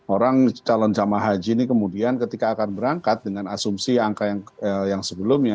orang calon jemaah haji ini kemudian ketika akan berangkat dengan asumsi angka yang sebelumnya